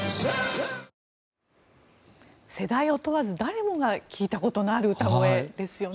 世代を問わず誰もが聞いたことのある声ですよね。